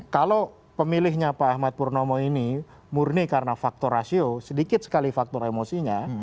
kalau pemilihnya pak ahmad purnomo ini murni karena faktor rasio sedikit sekali faktor emosinya